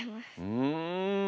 うん！